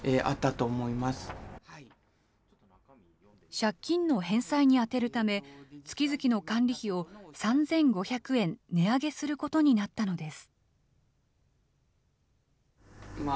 借金の返済に充てるため、月々の管理費を３５００円値上げすることになったのです。